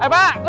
hai pa tuan pa